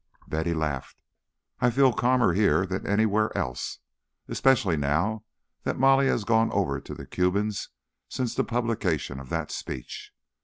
Betty laughed. "I feel calmer here than anywhere else, especially now that Molly has gone over to the Cubans since the publication of that speech.